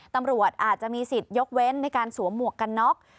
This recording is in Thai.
ตำรวจอาจจะมีสิทธิ์ยกเว้นในการสวมหมวกกันน็อก